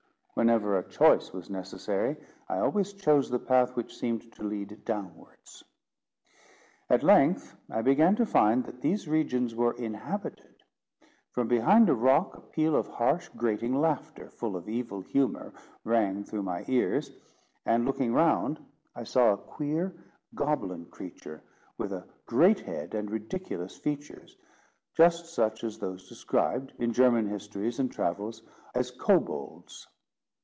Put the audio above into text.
Whenever a choice was necessary, I always chose the path which seemed to lead downwards. At length I began to find that these regions were inhabited. From behind a rock a peal of harsh grating laughter, full of evil humour, rang through my ears, and, looking round, I saw a queer, goblin creature, with a great head and ridiculous features, just such as those described, in German histories and travels, as Kobolds.